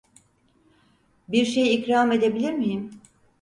Bir şey ikram edebilir miyim?